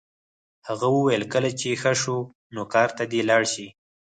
هغه وویل کله چې ښه شو نو کار ته دې لاړ شي